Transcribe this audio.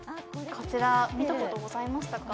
こちら見たことございましたか？